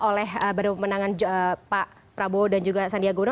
oleh pemenangan pak prabowo dan juga sandiago uno